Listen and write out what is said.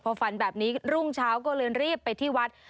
พอฝันแบบนี้รุ่งเช้าก็เลยรีบไปที่วัด